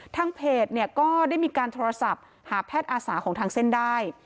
ทางเพจเนี่ยก็ได้มีการโทรศัพท์หาแพทย์อาสาของทางเส้นได้